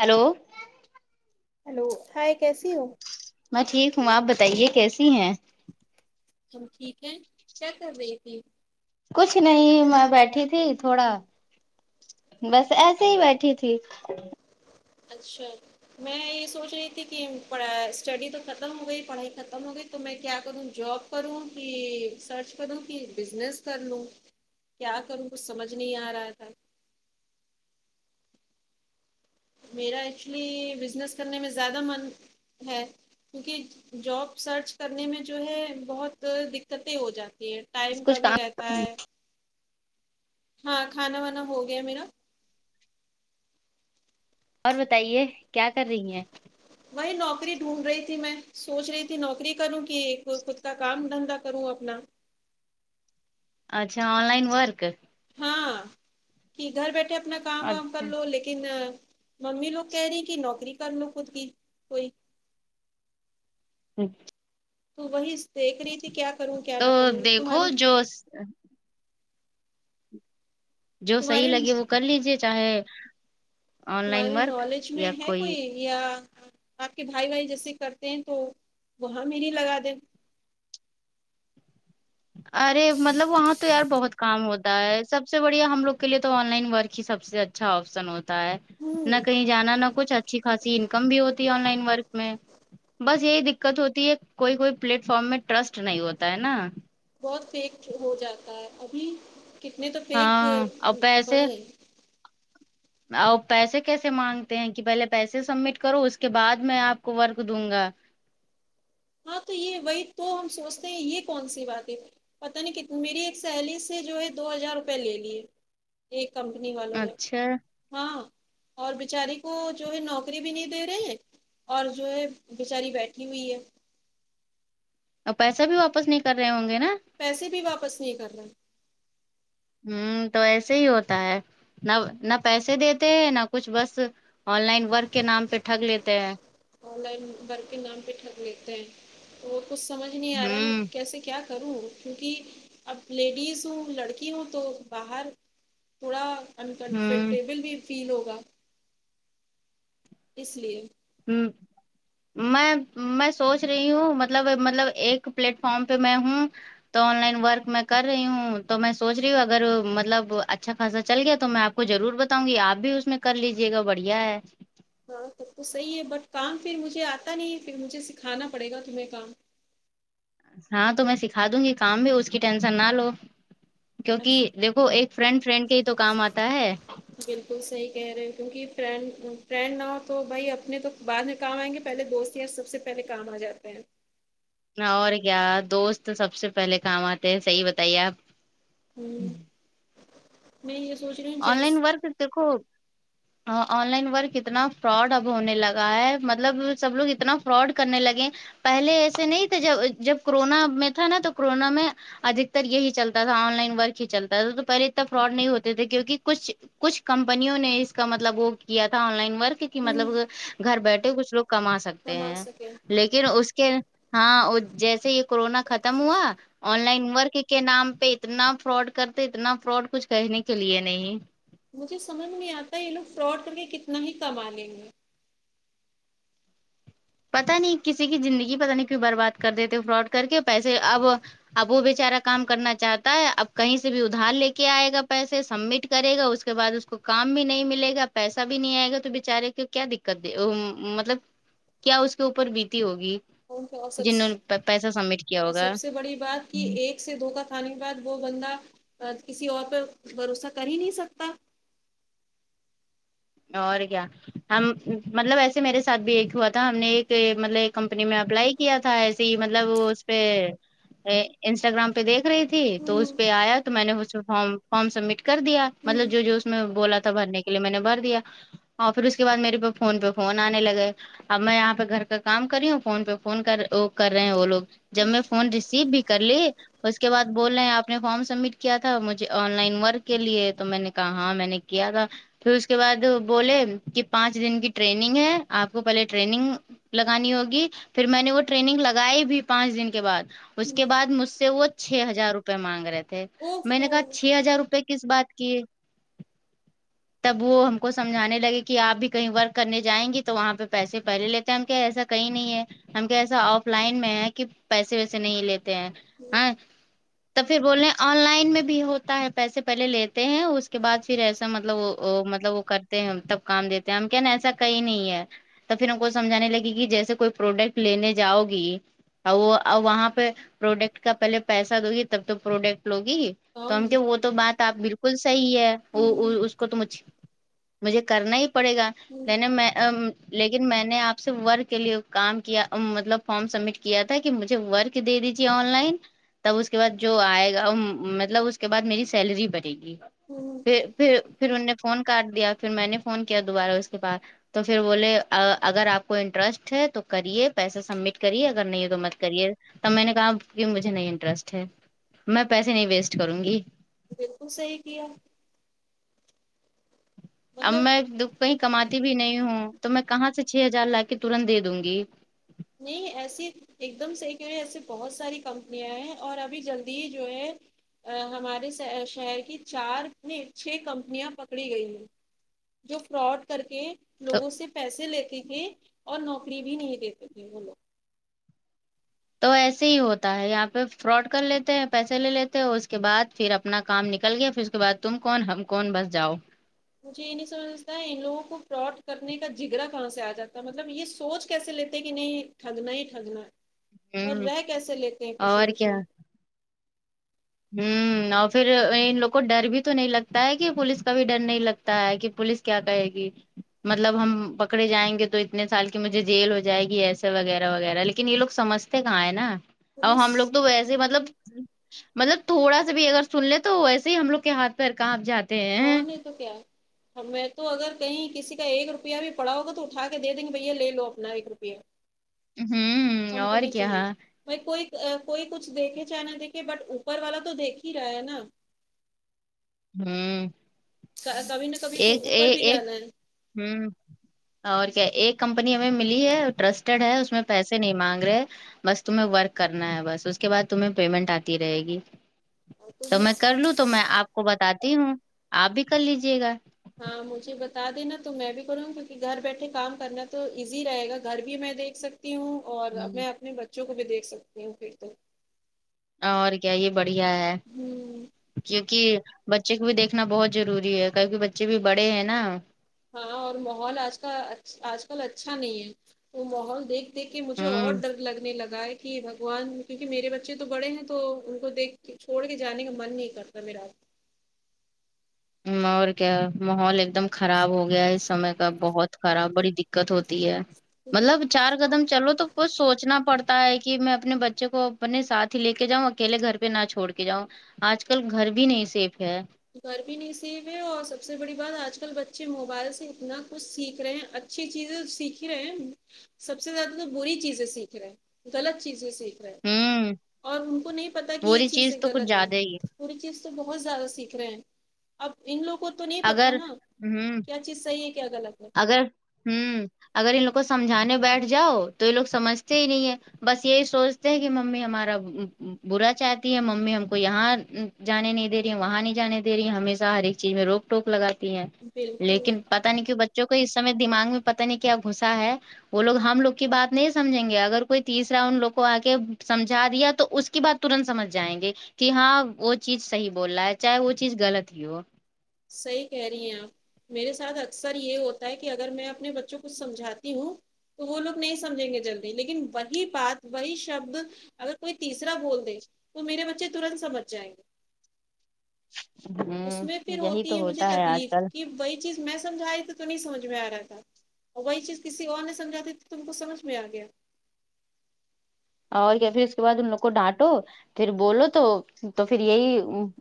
hello hello hi کیسی ہو میں ٹھیک ہوں آپ بتائیے کیسی ہیں ہم ٹھیک ہے کیا کر رہی تھی کچھ نہیں میں بیٹھی تھی تھوڑا بس ایسے ہی بیٹھی تھی اچھا میں یہ سوچ رہی تھی کہ پڑھا اسٹڈی تو ختم ہو گئی پڑھائی ختم ہو گئی تو میں کیا کروں جاب کرو کہ سرچ کرو کہ بزنس کر لو کیا کروں کچھ سمجھ نہیں آ رہا تھا میرا ایکچولی بزنس کرنے میں زیادہ من ہے کیونکہ جاب سرچ کرنے میں جو ہے بہت دقتیں ہو جاتی ہے بس ٹائم کا کچھ بھی کام رہتا ہے ہاں کھانا وانا ہو گیا میرا اور بتائیے کیا کر رہی ہیں وہی نوکری ڈھونڈ رہی تھی میں سوچ رہی تھی نوکری کروں کہ خود کا کام دھندا کروں اپنا اچھا آن لائن ورک ہاں کہ گھر بیٹھے اپنا کام وام کر اچھا لو لیکن ممی لوگ کہہ رہی ہیں کہ نوکری کر لو خود کی کوئی اچھا تو وہی دیکھ رہی تھی کیا کروں کیا نہ کروں تمہارے دوس جو صحیح تمہاری لگے وہ کر لیجے چاہے آن لائن تمہاری ورک نالج میں یا ہے کوئی یا آپ کے بھائی وھائی جیسے کرتے ہیں تو وہاں میری لگا دیں ارے مطلب وہاں تو یار بہت کام ہوتا ہے سب سے بڑھیا ہم لوگ کے لیے تو آن لائن ورک ہی سب سے اچھا آپشن ہو تا ہے ہوں نہ کہیں جانا نہ کچھ اچھی خاصی انکم بھی ہوتی آن لائن ورک میں بس یہی دقت ہوتی ہے کوئی کوئی پلیٹ فارم میں ٹرسٹ نہیں ہوتا ہے نا بہت فیک ہو جاتا ہے ابھی کتنے تو فیک ہاں اور بڑھے ا پیسے کیسے مانگتے ہیں کہ پہلے پیسے سبمٹ کرو اس کے بعد میں آپ کو ورک دوں گا ہاں تو یہ وہی تو ہم سوچتے ہیں یہ کون سی بات ہے پتا نہیں کتنی میری ایک سہیلی سے جو ہے دو ہزار روپئے لے لیے ایک کمپنی والوں نے اچھا ہاں اور بچاری کو جو ہے نوکری بھی نہیں دے رہے اور جو ہے بیچاری بیٹھی ہوئی ہے اور پیسہ بھی واپس نہیں کر رہے ہوں گے نا پیسے بھی واپس نہیں کر رہے ہوں تو ایسے ہی ہوتا ہے نہ نہ پیسے دیتے ہیں نہ کچھ بس آن لائن ورک کے نام پہ ٹھگ لیتے ہیں آن لائن ورک کے نام پہ ٹھگ لیتے ہیں وہ کچھ سمجھ نہیں آ رہا ہے میں ہوں کیسے کیا کروں کیونکہ اب لیڈیز ہوں لڑکی ہوں تو باہر تھوڑا ہوں انکمفرٹیبل بھی فیل ہوگا اس لیے ہوں میں میں سوچ رہی ہوں مطلب مطلب ایک پلیٹ فارم پہ میں ہوں تو آن لائن ورک میں کر رہی ہوں تو میں سوچ رہی ہوں اگر مطلب اچھا خاصہ چل گیا تو میں آپ کو ضرور بتاؤں گی آپ بھی اس میں کر لیجیے گا بڑھیا ہے ہاں تب تو صحیح ہے بٹ کام پھر مجھے آتا نہیں پھر مجھے سکھانا پڑے گا کہ کام ہاں تو میں سکھا دوں گی کام بھی اس کی ٹینشن نہ لو کیونکہ اچھا دیکھو ایک فرینڈ فرینڈ کے ہی تو کام آتا ہے بالکل صحیح کہہ رہے کیونکہ فرینڈ فرینڈ نہ ہو تو بھائی اپنے تو بعد کام آئیں گے پہلے دوست یار سب سے پہلے کام آ جاتے ہیں اور کیا دوست سب سے پہلے کام آتے ہیں صحیح بتائیے آپ ہوں میں یہ سوچ رہی ہوں آن لائن جیس ورک دیکھوں آن لائن ورک اتنا فراڈ اب ہونے لگا ہے مطلب سب لوگ اتنا فراڈ کرنے لگے پہلے ایسے نہیں تھے جب جب کورونا میں تھا نا تو کورونا میں ادکتر یہی چلتا تھا آن لائن ورک ہی چلتا تھا تو پہلے اتنا فراڈ نہیں ہوتے تھے کیوں کی کہ کچھ کچھ کمپنیوں نے اس کا مطلب وہ کیا تھا آن لائن ورک کی ہوں مطلب گھر بیٹھے کچھ لوگ کما سکتے کما ہیں سکے لیکن اس کے ہاں جیسے یہ کورونا ختم ہوا آن لائن ورک کے نام پہ اتنا فراڈ کرتے اتنا فراڈ کچھ کہنے کے لیے نہیں مجھے سمجھ میں نہیں آتا یہ لوگ فراڈ کر کے کتنا ہی کما لیں گے پتا نہیں کسی کی زندگی پتہ نہیں کیوں برباد کر دیتے فراڈ کر کے پیسے اب اب وہ بیےچارا کام کرنا چاہتا ہے اب کہیں سے بھی ادھار لے کے آئے گا پیسے سبمٹ کرے گا اس کو اس کے بعد اس کو کام بھی نہیں ملے گا پیسہ بھی نہیں آئے گا تو بچارے کو کیا دقت مطلب کیا اس کے اوپر بیتی ہوگی کون سا سبس جنہوں نے پیسہ سبمٹ کیا اور ہوگا سب سے بڑی بات کہ ہوں ایک سے دھوکا کھانے کے بعد وہ بندہ کسی اور پہ بھروسہ کر ہی نہیں سکتا اور کیا ہم مطلب ویسے میرے ساتھ بھی ایک ہوا تھا ہم نے ایک مطلب کمپنی میں اپلائی کیا تھا ایسے ہی مطلب وہ اس پہ انسٹاگرام پہ دیکھ رہی تھی تو ہوں، اس پہ آیا تو میں نے اس فم فارم سبمٹ کر دیا ہوں، مطلب جو جو اس میں بولا تھا بھرنے کے لیے میں نے بھر دیا اور پھر اس کے بعد میرے پے فون پہ فون آنے لگے اب میں یہاں پہ گھر کا کام کری ہوں فون پہ فون کر رہے ہیں وہ لوگ جب میں فون ریسیو بھی کر لی اس کے بعد بول رہے ہیں آپ نے فارم سبمٹ کیا تھا مجھے آن لائن ورک کے لیے تو میں نے کہا ہاں میں نے کیا تھا پھر اس کے بعد بولے کہ پانچ دن کی ٹرینگ ہے آپ کو پہلے ٹرینگ لگانی ہوگی پھر میں نے وہ ٹریننگ لگائی بھی پانچ دن کے بعد اس کے بعد مجھ سے وہ چھ ہزار روپ مانگ رہے تھے اوف، میں نے او کہا چھ ہزار روپئے کس بات کی تب وہ ہم کو سمجانے لگے کہ آپ بھی کہیں ورک کرنے جائیں گی تو وہاں پہ پیسے پہلے لیتے ہم کہ ایسا کہیں نہیں ہے ہم کیا ایسا آف لائن میں ہے کہ پیسے ویسے نہیں لیتے ہیں آ تو پھر بولے آن لائن میں بھی ہوتا ہے پیسے پہلے لیتے ہیں اس کے بعد پھر ایسا مطلب وہ وہ مطلب وہ کرتے ہیں تب کام دیتے ہیں ہم کیا نا ایسا کہئی نہیں ہے تو پھر ان کو سمجھانے لگے کہ جیسے کوئی پروڈکٹ لینے جاؤ گی اور وہ وہاں پہ پروڈکٹ کا پہلے پیسہ دو گی تب تو پروڈکٹ لوگی تو کون ہم کہ وہ تو بات آپ بالکل صحیح ہے ہوں وہ تو مجھ مجھے کرنا ہی پڑے گا ہوں نہیں نہیں میں آ لیکن میں نے آپ سے ورک کے لیے کام کیا ام مطلب فارم سبمٹ کیا تھا کہ مجھے ورک دے دیجیے آن لائن تب اس کے بعد جو آئے گا مطلب اس کے بعد میری سیلری بڑھے گی ہوں پھر پھر ان نے فون کاٹ دیا پھر میں نے فون کیا دوبارہ اس کے بعد تو پھر بولے اگر آپ کو انٹرسٹ ہے تو کریے پیسہ سبمٹ کریے اگر نہیں ہے تو مت کریے تب میں نے کہا کہ مجھے نہیں انٹرسٹ ہے میں پیسے نہیں ویسٹ کروں گی بالکل صحیح کیا اب مطلب میں کہیں کماتی بھی نہیں ہوں تو میں کہاں سے چھ ہزار لا کے ترنت دے دوں گی نہیں ایسی ایک دم صحیح کہہ رہے ہے ایسے بہت ساری کمپنیاں ہیں اور ابھی جلدی جو ہے ہمارے شہر کی چار نی چھ کمپنیاں پکڑی گئی ہیں جو فراڈ کر کے تو لوگوں سے پیسے لیتے تھے اور نوکری بھی نہیں دیتے تھے وہ لوگ تو ایسے ہی ہوتا ہے یہاں پہ فراڈ کر لیتے ہیں پیسے لے لیتے ہیں اس کے بعد پھر اپنا کام نکل گیا پھر اس کے بعد تم کون ہم کون بس جاؤ مجھے یہ نہیں سمجھتا ان لوگوں کو فراڈ کرنے کا جگرا کہاں سے آ جاتا ہے مطلب یہ سوچ کیسے لیتے کہ نہیں ٹھگنا ہی ٹھگنا اور ہوں رہ کیسے لیتے ہیں خوشی اور کیا خوشی ہوں اور پھر ان لوگ کو ڈر بھی تو نہیں لگتا ہے کہ پوولس کا بھی ڈر نہیں لگتا تا ہے کہ پوولس کیا کہے گی مطلب ہم پکڑے جائیں گے تو اتنے سال کی مجھے جیل ہو جائے گی ایسے وغیرہ وغیرہ لیکن یہ لوگ سمجتے کہاں ہے نا ا ہم لوگ پولیس تو ویسے ہی مطلب مطلب تھوڑا سا بھی اگر سن لے تو ویسے ہی ہم لوگ کے ہاتھ پیر کہاں جات اور نہیں تو کیا میں تو اگر کہیں کسی کا ایک روپیہ بھی پڑا ہوگا تو اٹھا کے دے دیں گے بھیا لے لو اپنا ایک روپیہ ہوں ہم کو اور نہیں کیا چاہیے بائی کوئی کوئی کچھ دیکھے چاہے نہ دیکھے بٹ اوپر والا تو دیکھ ہی رہا ہے نا ہوں کہ کبھی نہیں ایک ایک ایک ہوں اور کیا ایک کمپنی ہمیں ملی ہے ٹرسٹیڈ ہے اس میں پیسے نہیں مانگ رہے بس تمہیں ورک کرنا ہے بس اس کے بعد تمہیں پیمنٹ آتی رہے گی تو میں کر لوں تو میں آپ کو بتاتی ہوں آپ بھی کر لیجیے گا ہاں مجھے بتا دینا تو میں بھی کروں گی کیوں کہ گھر بیٹھے کام کرنا تو ایزی رہے گا گھر بھی میں دیک دیکھ سکتی ہوں اور ہوں، میں اپنے بچوں کو بھی دیکھ سکتی ہوں پھر تو اور کیا یہ بڑھیا ہے ہوں کیونکہ بچے کو بھی دیکھنا بہت ضروری ہے کیونکہ بچے بھی بڑے ہیں نا ہاں اور ماحول آج کل آج کل اچھا نہیں ہے وہ ماحول دیکھ دیکھ کہ مجھے اور ہوں ڈرد لگنے لگا ہے بھگوان کیونکہ میرے بچے تو بڑے ہیں تو ان کو دیکھ کے چھوڑ کے جانے کا من نہیں کرتا میرا اور کیا ماحول ایک دم خراب ہو گیا ہے اس سمے کا بہت خراب بڑی دق دقت ہوتی ہے کیونکہ مطلب چار قدم چلو تو کچھ سوچنا پڑتا ہے کہ میں اپنے بچے کو اپنے ساتھ ہی لے کے جاؤں اکیلے گھر پہ نہ چھوڑ کے جاؤں آج کل گھر بھی نہیں سیف ہے گھر بھی نہیں سوئے ہے اور سب سے بڑی بات آج کل بچے موبائل سے اتنا کچھ سیکھ رہے ہیں اچھی چیزیں تو سیکھی رہے ہیں سب سے زیادہ تو بری چیزیں سیکھ رہے غلط چیزیں سیکھ رہا ہوں اور ان کو نہیں پتا کہ یہ بولی چیز تو کچھ غلط ہے زیادہ ہی پوری چیز تو بہت زیادہ سیکھ رہے ہیں اب ان لوگوں کو تو نہیں پتا اگر نا ہوں کیا چیز صحیح ہے کیا غلط ہے اگر ہوں اگر ان لوگ کو سمجھانے بیٹھ جاؤ تو یہ لوگ سمجھتے ہی نہیں ہے بس یہی سوچتے ہیں کہ ممی ہمارا برا چاہتی ہے ممی ہم کو یہاں جانے نہیں دے رہی وہاں نہیں جانے دے رہی ہمیشہ ہر ایک چیز میں روک ٹوک لگاتی ہیں بالکل لیکن پتا نہیں کیوں بچوں کو اسمے دمغ میں پتا نہیں کیا گھسا ہے وہ لوگ ہم لوگ کی بات نہیں سمجھیں گے اگر کوئی تیسرا ان لوگ کو آ کے سمجھا دیا تو اس کی بات ترنت سمجھ جائیں گے کہ ہاں وہ چیز صحیح بول رہا ہے چاہے وہ چیز غلط ہی ہو صحیح کہہ رہی ہیں آپ میرے ساتھ اکثر یہ ہوتا ہے کہ اگر میں اپنے بچوں کو سمجھاتی ہوں تو وہ لوگ نہیں سمجھیں گے جلدی لیکن وہی بات وہی شبد اگر کوئی تیسرا بول دے تو میرے بچے ترنت سمجھ جائیں گے اس میں ہوں پھر یہی ہوتی تو ہے مجھے ہوتا آج تکلیف کل کہ وہی چیز میں سمجھائی تھی تو نہیں سمجھ میں آ رہا تھا اور وہی چیز کسی اور نہیں سمجھی تھی تم کو سمجھ میں آ گیا اور کیا پھر اس کے بعد ان لوگ کو ڈانٹو پھر بولو تو تو پھر یہی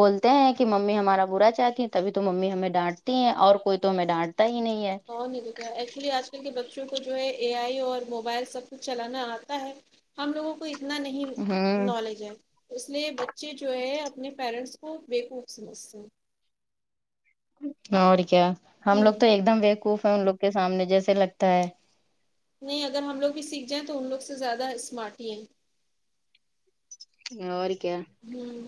بولتے ہیں کہ ممی ہمارا برا چاہتی تبھی تو ممی ہمیں ڈانٹتی ہیں اور کوئی تو ہمیں ڈانٹتا ہی نہیں ہے اور نہیں تو کیا ایکچولی آج کل کے بچوں کو جو ہے اے آئی اور موبائل سب کچھ چلانا آتا ہے ہم لوگوں کو اتنا نہیں ہوں نالج ہے اس لیے بچے جو ہے اپنے پیرنٹس کو بےقوف سمجھتے ہیں اور کیا ہم ہوں لوگ تو ایک دم بےقوف ہے ان لوگ کے سامنے جیسے لگتا ہے نہیں اگر ہم لوگ بھی سیکھ جائیں تو ان لوگ سے زیادہ اسمارٹ ہی ہیں اور کیا ہوں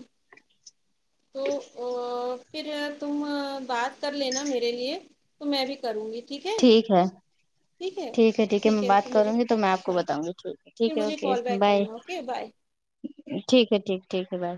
تو ا اور پھر تم بات کر لینا میرے لیے تو میں بھی کروں گی ٹھیک ہے ٹھیک ہے ٹھیک ہے میں بات کروں گی تو میں آپ کو ہاں بتاؤں گی ٹھیک ہے پھر ٹھیک ہے مجھے اوکے کال بیک بائے کرنا اوکے بائے ٹھیک ہے ٹھیک ٹھیک ہے بائے